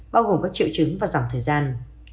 bao gồm các triệu chứng và dòng thời gian